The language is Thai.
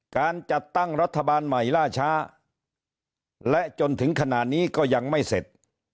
การจัดตั้งรัฐบาลใหม่ล่าช้าและจนถึงขณะนี้ก็ยังไม่เสร็จ